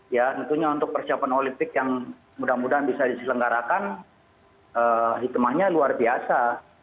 ya tentunya untuk persiapan olimpik yang mudah mudahan bisa diselenggarakan hikmahnya luar biasa